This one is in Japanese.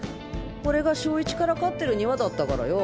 俺が小１から飼ってる２羽だったからよ。